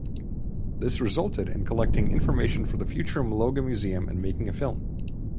This resulted in collecting information for the future Mologa Museum and making a film.